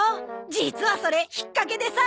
実はそれ引っかけでさあ！